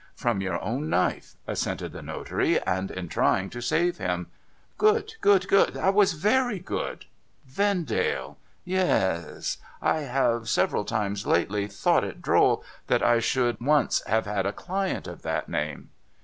' From your own knife,' assented the notary, * and in trying to save him. Good, good, good. That was very good. Vendale. Yes. I have several times, lately, thought it droll that I should once have had a client of that name.'